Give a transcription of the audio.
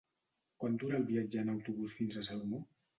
Quant dura el viatge en autobús fins a Salomó?